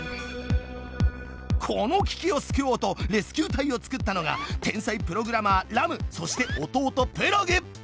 この危機を救おうとレスキュー隊を作ったのが天才プログラマーそして弟